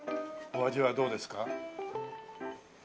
お味はどうですか？